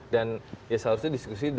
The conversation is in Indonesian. dan seharusnya diskusi